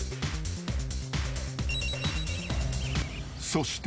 ［そして］